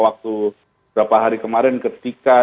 waktu beberapa hari kemarin ketika